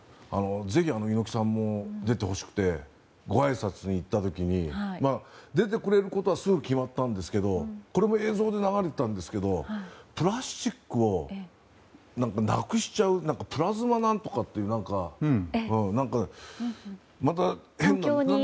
ぜひ、猪木さんにも出てほしくてごあいさつに行った時に出てくれることはすぐ決まったんですがこれも映像で流れてたんですがプラスチックをなくしちゃうプラズマ何とかっていう何か、また変な。